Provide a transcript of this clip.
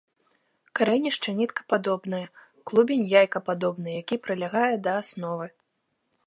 Карэнішча ніткападобнае, клубень яйкападобны, які прылягае да асновы.